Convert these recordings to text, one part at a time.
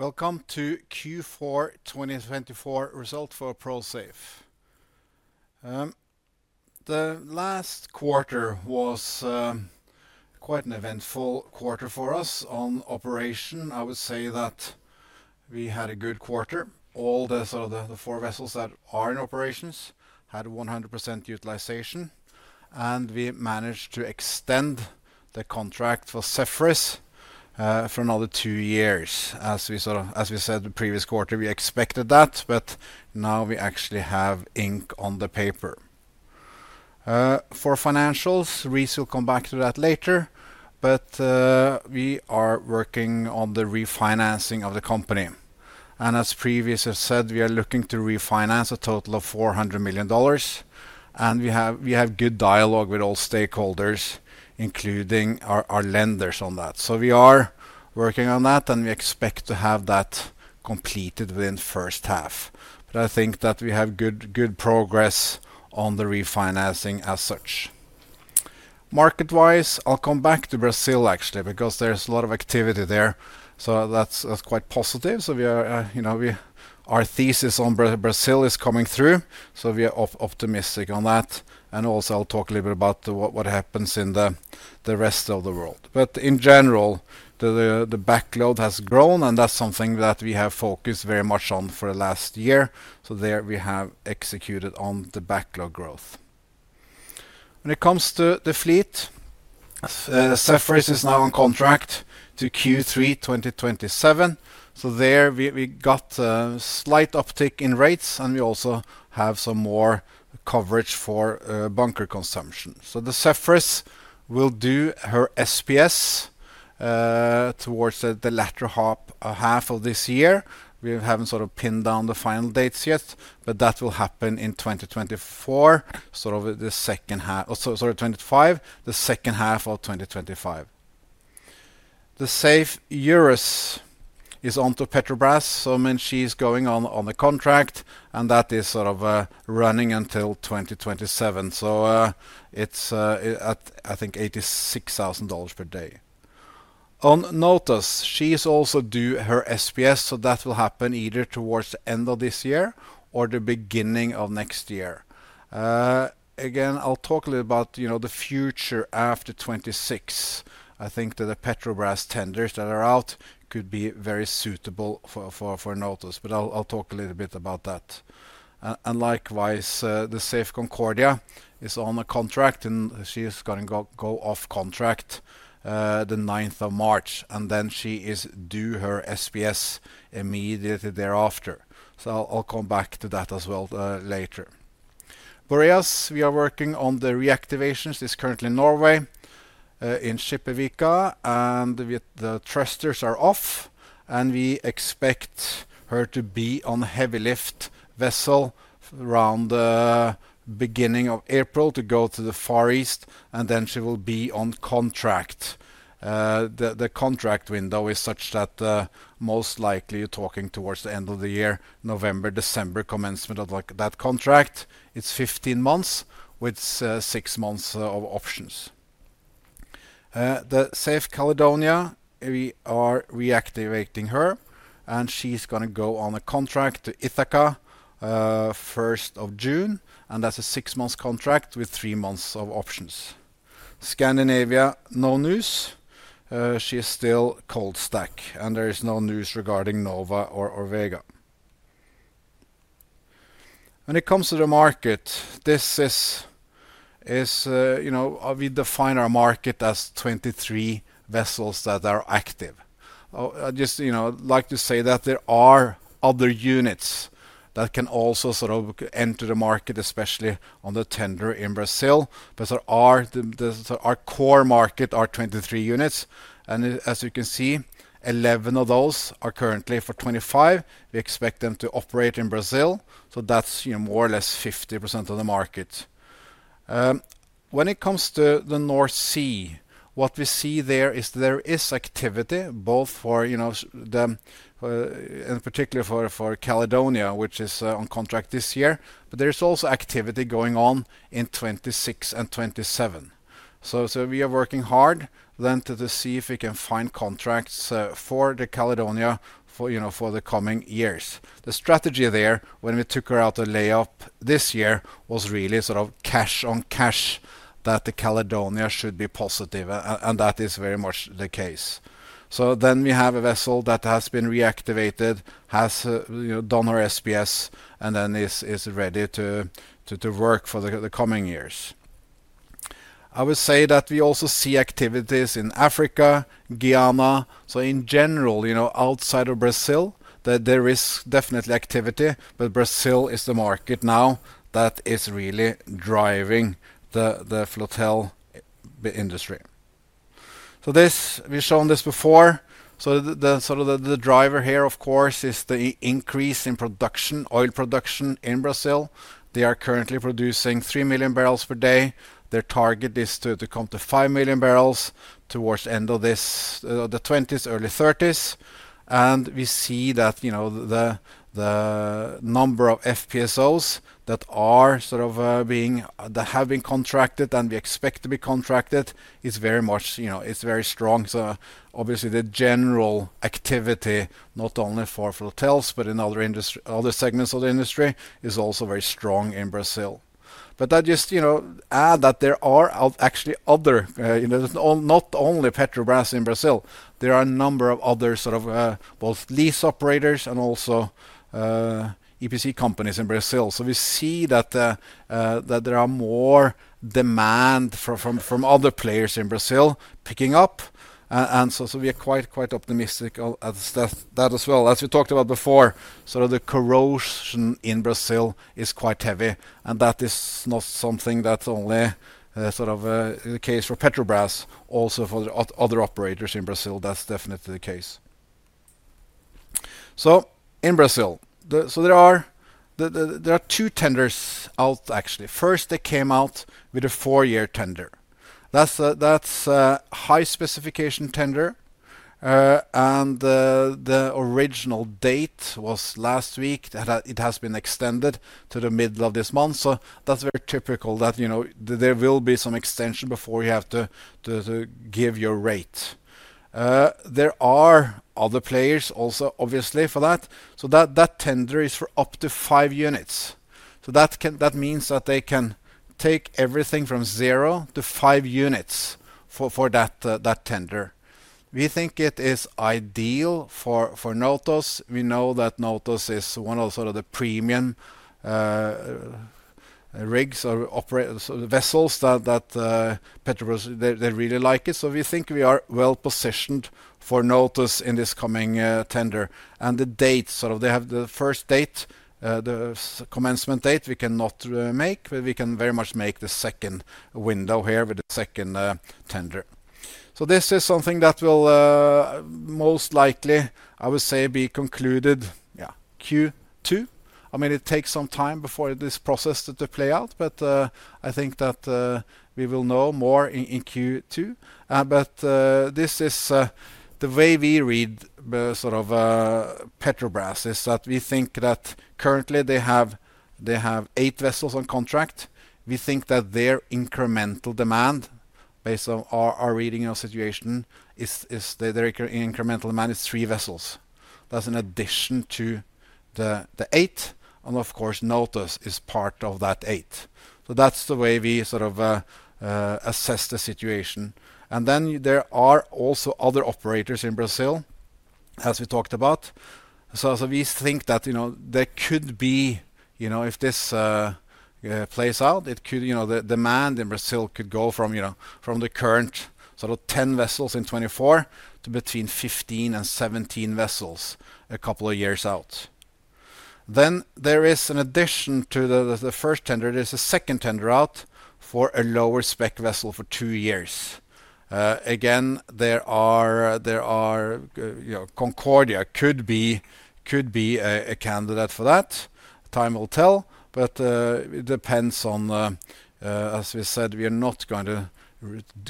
Welcome to Q4 2024 results for Prosafe. The last quarter was quite an eventful quarter for us on operation. I would say that we had a good quarter. All the, sort of, the four vessels that are in operations had 100% utilization, and we managed to extend the contract for Zephyrus for another two years. As we, sort of, as we said the previous quarter, we expected that, but now we actually have ink on the paper. For financials, Reese will come back to that later, but we are working on the refinancing of the company. As previously said, we are looking to refinance a total of $400 million, and we have good dialogue with all stakeholders, including our lenders on that. We are working on that, and we expect to have that completed within the first half. But I think that we have good, good progress on the refinancing as such. Market-wise, I'll come back to Brazil, actually, because there's a lot of activity there. So that's, that's quite positive. So we are, you know, we, our thesis on Brazil is coming through, so we are optimistic on that. And also, I'll talk a little bit about what, what happens in the, the rest of the world. But in general, the backlog has grown, and that's something that we have focused very much on for the last year. So there we have executed on the backlog growth. When it comes to the fleet, Zephyrus is now on contract to Q3 2027. So there we, we got a slight uptick in rates, and we also have some more coverage for bunker consumption. So the Zephyrus will do her SPS towards the latter half of this year. We haven't sort of pinned down the final dates yet, but that will happen in 2024, sort of the second half, or sorry 25, the second half of 2025. The Safe Eurus is onto Petrobras, so I mean she's going on the contract, and that is sort of running until 2027. So it's at I think $86,000 per day. On Notos she's also due her SPS, so that will happen either towards the end of this year or the beginning of next year. Again I'll talk a little about you know the future after 2026. I think that the Petrobras tenders that are out could be very suitable for Notos, but I'll talk a little bit about that. Likewise, the Safe Concordia is on the contract, and she's gonna go off contract the 9th of March, and then she is due her SPS immediately thereafter. I'll come back to that as well later. Safe Boreas, we are working on the reactivations. It's currently in Norway, in Skipavika, and the thrusters are off, and we expect her to be on a heavy lift vessel around the beginning of April to go to the Far East, and then she will be on contract. The contract window is such that most likely you're talking towards the end of the year, November, December commencement of that contract. It's 15 months with six months of options. The Safe Caledonia, we are reactivating her, and she's gonna go on a contract to Ithaca 1st of June, and that's a six-month contract with three months of options. Scandinavia, no news. She's still cold stack, and there is no news regarding Nova or Vega. When it comes to the market, this is, you know, we define our market as 23 vessels that are active. Oh, I just, you know, like to say that there are other units that can also, sort of, enter the market, especially on the tender in Brazil. Those are our, our core market are 23 units, and as you can see, 11 of those are currently for 2025. We expect them to operate in Brazil, so that's, you know, more or less 50% of the market. When it comes to the North Sea, what we see there is activity both for, you know, the, and particularly for Caledonia, which is on contract this year, but there is also activity going on in 2026 and 2027. So we are working hard then to see if we can find contracts for the Caledonia, you know, for the coming years. The strategy there, when we took her out of layup this year, was really, sort of, cash on cash that the Caledonia should be positive, and that is very much the case. So then we have a vessel that has been reactivated, has, you know, done her SPS, and then is ready to work for the coming years. I would say that we also see activities in Africa, Guyana. So in general, you know, outside of Brazil, that there is definitely activity, but Brazil is the market now that is really driving the flotel industry. So this, we've shown this before. So the sort of driver here, of course, is the increase in production, oil production in Brazil. They are currently producing 3 million barrels per day. Their target is to come to 5 million barrels towards the end of this, the 2020s, early 2030s. And we see that, you know, the number of FPSOs that have been contracted and we expect to be contracted is very much, you know, it's very strong. So obviously, the general activity, not only for flotels, but in other segments of the industry, is also very strong in Brazil. But I just, you know, add that there are actually other, you know, not only Petrobras in Brazil. There are a number of other, sort of, both lease operators and also EPC companies in Brazil. So we see that there are more demand from other players in Brazil picking up. And so we are quite optimistic at that as well. As we talked about before, sort of, the corrosion in Brazil is quite heavy, and that is not something that's only, sort of, the case for Petrobras. Also, for other operators in Brazil, that's definitely the case. So in Brazil, so there are two tenders out, actually. First, they came out with a four-year tender. That's a high specification tender, and the original date was last week. It has been extended to the middle of this month. So that's very typical that, you know, there will be some extension before you have to give your rate. There are other players also, obviously, for that. That tender is for up to five units. That can mean that they can take everything from zero to five units for that tender. We think it is ideal for Notos. We know that Notos is one of the premium rigs or operators or vessels that Petrobras really like it. We think we are well positioned for Notos in this coming tender. The date, they have the first date, the commencement date, we cannot make, but we can very much make the second window here with the second tender. This is something that will most likely be concluded in Q2. I mean, it takes some time before this process to play out, but I think that we will know more in Q2. But this is the way we read sort of Petrobras is that we think that currently they have eight vessels on contract. We think that their incremental demand, based on our reading of the situation, is three vessels. That's in addition to the eight, and of course, Notos is part of that eight. So that's the way we sort of assess the situation. And then there are also other operators in Brazil, as we talked about. So we think that, you know, there could be, you know, if this plays out, it could, you know, the demand in Brazil could go from, you know, from the current sort of 10 vessels in 2024 to between 15 and 17 vessels a couple of years out. Then there is, in addition to the first tender, there's a second tender out for a lower spec vessel for two years. Again, there are, you know, Concordia could be a candidate for that. Time will tell, but it depends on, as we said, we are not going to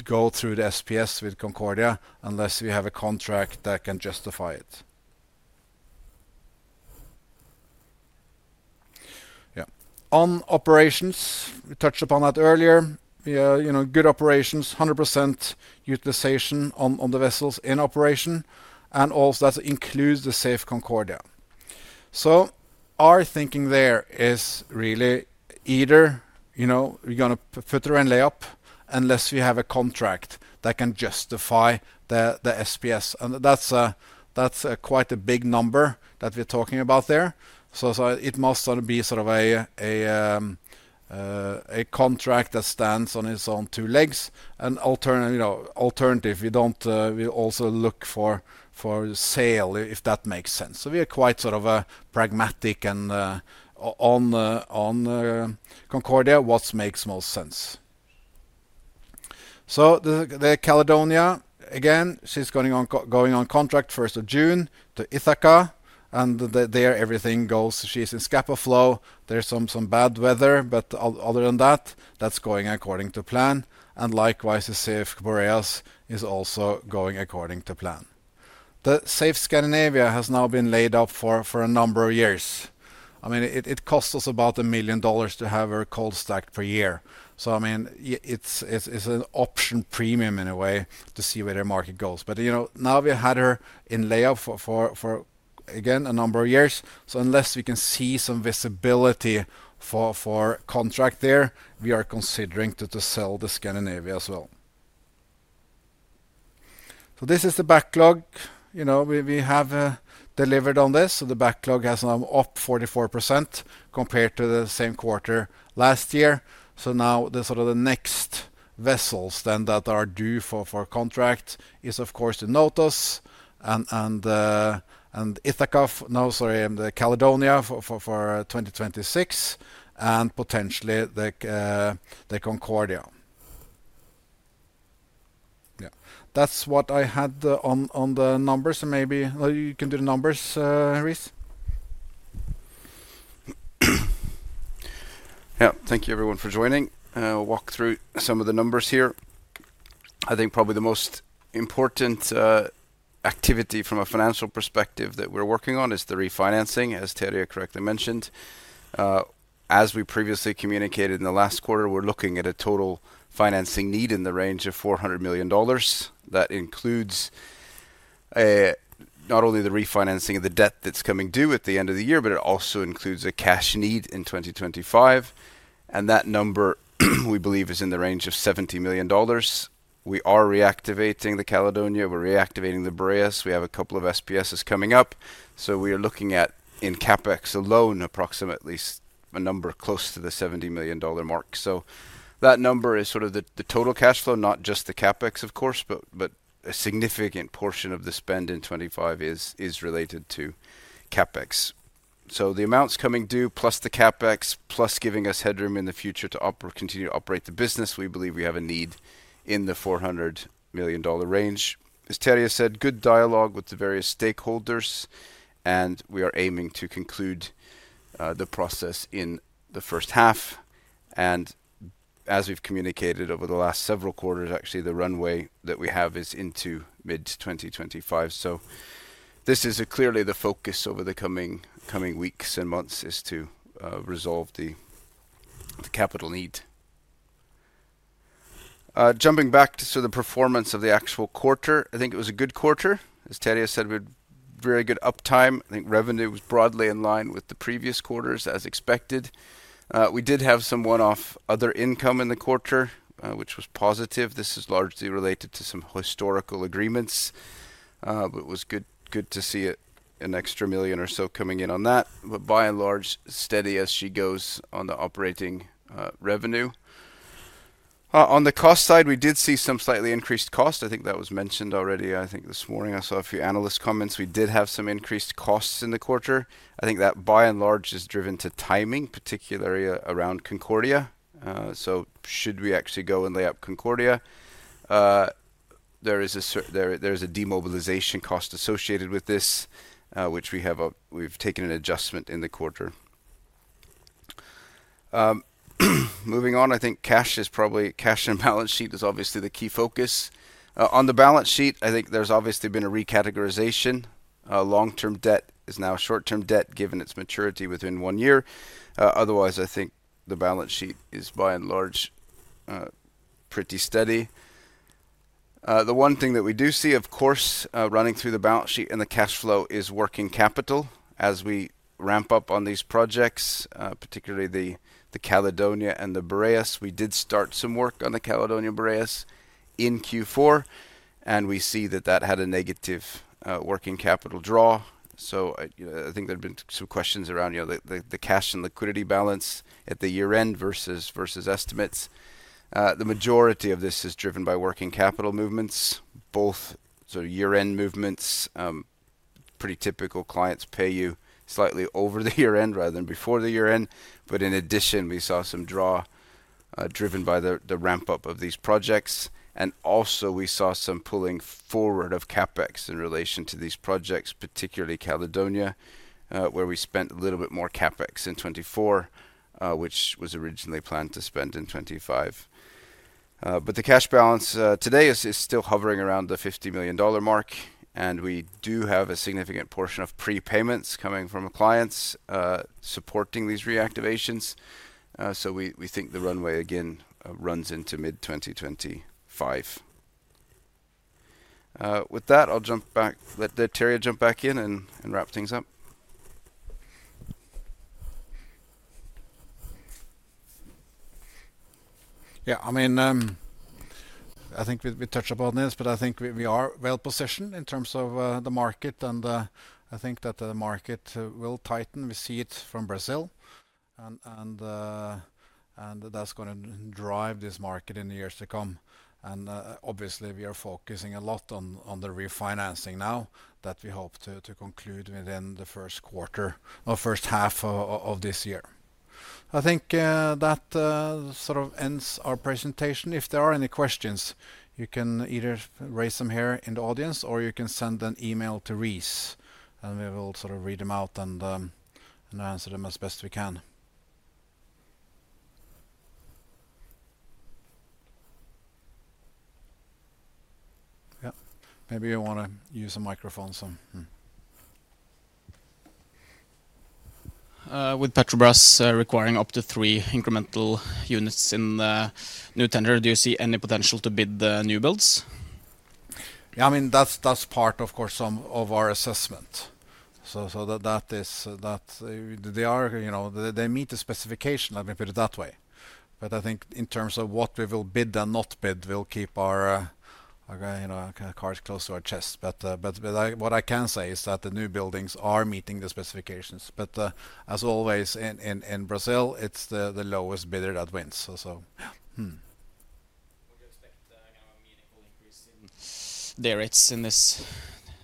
go through the SPS with Concordia unless we have a contract that can justify it. Yeah. On operations, we touched upon that earlier. We are, you know, good operations, 100% utilization on the vessels in operation, and also that includes the Safe Concordia. So our thinking there is really either, you know, we're gonna put her in layup unless we have a contract that can justify the SPS. And that's quite a big number that we're talking about there. It must sort of be a contract that stands on its own two legs. And alternatively, you know, we also look for sale, if that makes sense. So we are quite sort of pragmatic and, on Concordia, what makes most sense. So the Caledonia, again, she's going on contract 1st of June to Ithaca, and everything's going. She's in Scapa Flow. There's some bad weather, but other than that, that's going according to plan. And likewise, the Safe Boreas is also going according to plan. The Safe Scandinavia has now been laid up for a number of years. I mean, it costs us about $1 million to have her cold stacked per year. So, I mean, it's an option premium in a way to see where the market goes. But you know, now we had her in layup for, again, a number of years. So unless we can see some visibility for contract there, we are considering to sell the Scandinavia as well. So this is the backlog. You know, we have delivered on this. So the backlog has now up 44% compared to the same quarter last year. So now the, sort of, the next vessels then that are due for contract is, of course, the Notos and Ithaca no, sorry, the Caledonia for 2026 and potentially the Concordia. Yeah. That's what I had on the numbers. And maybe you can do the numbers, Reese. Yeah. Thank you, everyone, for joining. Walk through some of the numbers here. I think probably the most important activity from a financial perspective that we're working on is the refinancing, as Terje correctly mentioned. As we previously communicated in the last quarter, we're looking at a total financing need in the range of $400 million. That includes, not only the refinancing of the debt that's coming due at the end of the year, but it also includes a cash need in 2025. And that number, we believe, is in the range of $70 million. We are reactivating the Caledonia. We're reactivating the Boreas. We have a couple of SPSs coming up. So we are looking at, in CapEx alone, approximately a number close to the $70 million mark. So that number is sort of the total cash flow, not just the CapEx, of course, but a significant portion of the spend in 2025 is related to CapEx. So the amounts coming due, plus the CapEx, plus giving us headroom in the future to operate, continue to operate the business, we believe we have a need in the $400 million range. As Terje said, good dialogue with the various stakeholders, and we are aiming to conclude the process in the first half. And as we've communicated over the last several quarters, actually, the runway that we have is into mid-2025. So this is clearly the focus over the coming weeks and months is to resolve the capital need. Jumping back to sort of the performance of the actual quarter, I think it was a good quarter. As Terje said, we had very good uptime. I think revenue was broadly in line with the previous quarters, as expected. We did have some one-off other income in the quarter, which was positive. This is largely related to some historical agreements, but it was good, good to see an extra $1 million or so coming in on that. By and large, steady as she goes on the operating revenue. On the cost side, we did see some slightly increased cost. I think that was mentioned already. I think this morning I saw a few analyst comments. We did have some increased costs in the quarter. I think that by and large is driven to timing, particularly around Concordia, so should we actually go and lay up Concordia? There is a certain demobilization cost associated with this, which we've taken an adjustment in the quarter. Moving on, I think cash is probably cash and balance sheet is obviously the key focus. On the balance sheet, I think there's obviously been a recategorization. Long-term debt is now short-term debt given its maturity within one year. Otherwise, I think the balance sheet is by and large pretty steady. The one thing that we do see, of course, running through the balance sheet and the cash flow is working capital as we ramp up on these projects, particularly the Caledonia and the Boreas. We did start some work on the Caledonia Boreas in Q4, and we see that that had a negative working capital draw. So I, you know, I think there've been some questions around, you know, the cash and liquidity balance at the year-end versus estimates. The majority of this is driven by working capital movements, both sort of year-end movements. Pretty typical clients pay you slightly over the year-end rather than before the year-end. But in addition, we saw some draw, driven by the ramp-up of these projects. And also we saw some pulling forward of CapEx in relation to these projects, particularly Caledonia, where we spent a little bit more CapEx in 2024, which was originally planned to spend in 2025. But the cash balance today is still hovering around the $50 million mark. And we do have a significant portion of prepayments coming from clients, supporting these reactivations. So we think the runway again runs into mid-2025. With that, I'll jump back, let Terje jump back in and wrap things up. Yeah. I mean, I think we touched upon this, but I think we are well positioned in terms of the market and I think that the market will tighten. We see it from Brazil and that's going to drive this market in the years to come. Obviously we are focusing a lot on the refinancing now that we hope to conclude within the first quarter or first half of this year. I think that sort of ends our presentation. If there are any questions, you can either raise them here in the audience or you can send an email to Reese and we will sort of read them out and answer them as best we can. Yeah. Maybe you want to use a microphone some. With Petrobras, requiring up to three incremental units in the new tender, do you see any potential to bid the new builds? Yeah. I mean, that's part, of course, of our assessment. So that they are, you know, they meet the specification. Let me put it that way. But I think in terms of what we will bid and not bid, we'll keep our, you know, our cards close to our chest. But what I can say is that the new buildings are meeting the specifications. But, as always in Brazil, it's the lowest bidder that wins. So, we're going to expect kind of a meaningful increase in the rates in this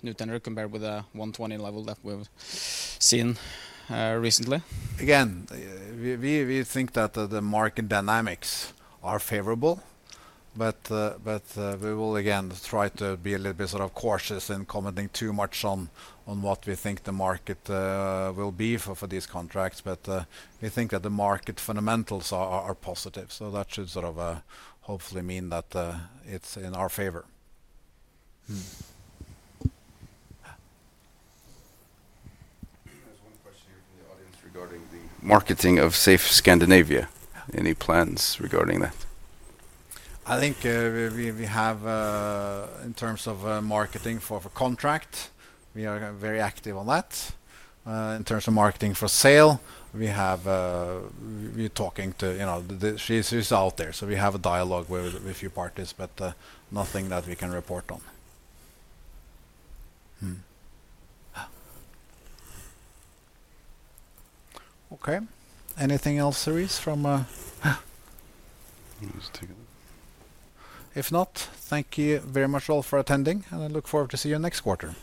new tender compared with the $120 level that we've seen recently. Again, we think that the market dynamics are favorable, but we will again try to be a little bit sort of cautious in commenting too much on what we think the market will be for these contracts. We think that the market fundamentals are positive. That should sort of hopefully mean that it's in our favor. There's one question here from the audience regarding the marketing of Safe Scandinavia. Any plans regarding that? I think we have in terms of marketing for contract we are very active on that. In terms of marketing for sale we have we are talking to you know she's out there. So we have a dialogue with a few parties but nothing that we can report on. Okay. Anything else Reese from If not thank you very much all for attending and I look forward to seeing you next quarter.